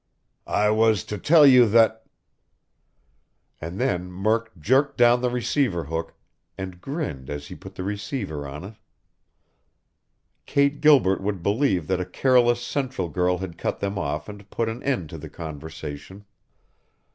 "I was to tell you that " And then Murk jerked down the receiver hook, and grinned as he put the receiver on it. Kate Gilbert would believe that a careless central girl had cut them off and put an end to the conversation.